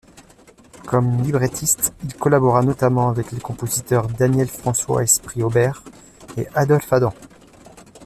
Comme librettiste, il collabora notamment avec les compositeurs Daniel-François-Esprit Auber et Adolphe Adam.